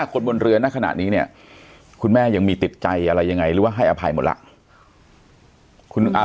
คนบนเรือณขณะนี้เนี่ยคุณแม่ยังมีติดใจอะไรยังไงหรือว่าให้อภัยหมดแล้ว